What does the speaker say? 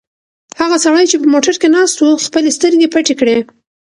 هغه سړی چې په موټر کې ناست و خپلې سترګې پټې کړې.